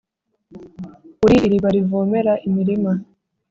Uri iriba rivomera imirima,